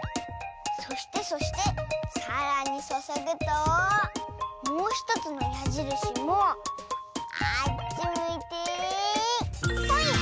そしてそしてさらにそそぐともうひとつのやじるしもあっちむいてほい！